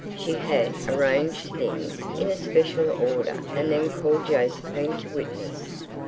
She had arranged things in a special order and then called Josephine to witness.